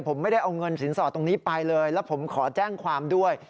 ผมไม่ได้เอาเงินสินสอดตรงนี้ไปเลยแล้วผมขอแจ้งความด้วย